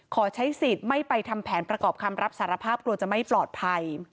ขอใช้สิทธิ์ไม่ไปทำแผนประกอบคำรับสารภาพกลัวจะไม่ปลอดภัย